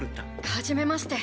はじめまして。